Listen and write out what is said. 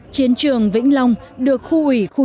chiến trường vĩnh long được khu ủy khu chín